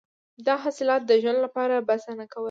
دا حاصلات د ژوند لپاره بسنه نه کوله.